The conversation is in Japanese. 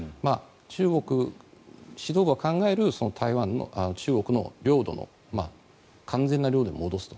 中国指導部が考える中国の領土の完全な領土に戻すと。